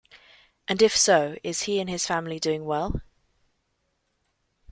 And if so is he and his family doing well?